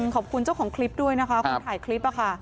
ขอบคุณเจ้าของคลิปด้วยนะคะคนถ่ายคลิปค่ะ